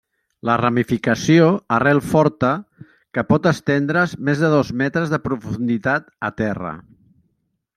La ramificació, arrel forta que pot estendre's més de dos metres de profunditat a terra.